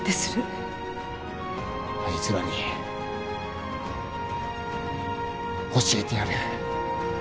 あいつらに教えてやる。